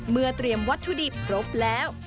เมื่อเตรียมวัตถุดิบครบแล้ว